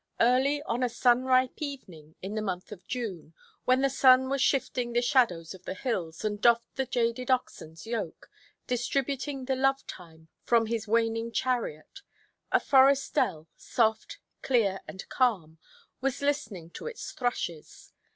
Early on a sunripe evening in the month of June, "when the sun was shifting the shadows of the hills, and doffed the jaded oxenʼs yoke, distributing the love time from his waning chariot", a forest dell, soft, clear, and calm, was listening to its thrushes.